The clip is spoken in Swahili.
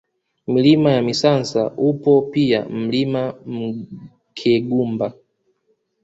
Milima ya Misansa upo pia Mlima Mkegumba